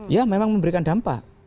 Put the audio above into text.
ya memang memberikan dampak